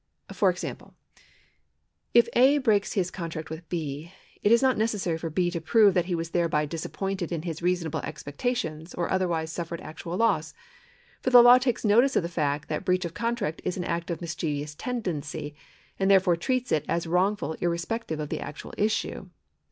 For example, if A. breaks his contract with B, it is not necessary for B. to prove that he was thereby disappointed in his reasonable expectations, or otherwise suffered actual loss, for the law takes notice of the fact that breach of contract is an act of mischievous tendency, and therefore treats it as wrongful irrespective of the actual issue.